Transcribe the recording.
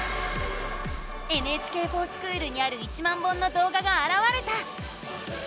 「ＮＨＫｆｏｒＳｃｈｏｏｌ」にある１万本のどうががあらわれた！